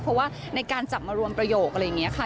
เพราะว่าในการจับมารวมประโยคอะไรอย่างนี้ค่ะ